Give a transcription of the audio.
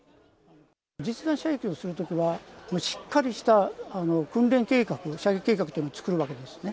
実弾射撃をするときは、しっかりした訓練計画、射撃計画を作るわけですね。